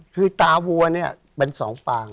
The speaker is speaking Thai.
คือตาวัวเนี่ยเป็นสองปาง